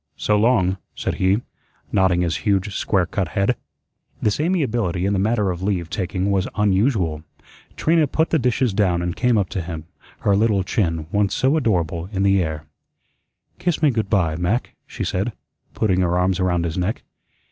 "So long," said he, nodding his huge square cut head. This amiability in the matter of leave taking was unusual. Trina put the dishes down and came up to him, her little chin, once so adorable, in the air: "Kiss me good by, Mac," she said, putting her arms around his neck.